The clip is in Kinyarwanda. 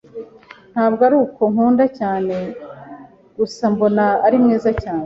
Ntabwo ari uko nkunda cyane. Gusa mbona ari mwiza cyane.